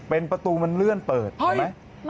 เป็นประตูมันเลื่อนเปิดเห็นไหม